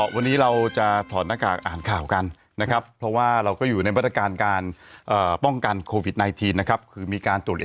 วันนี้เราจะถอดหน้ากากอ่านข่าวกันนะครับเพราะว่าเราก็อยู่ในพัฒนาการการป้องกันโควิดไนทีนนะครับคือมีการตรวจ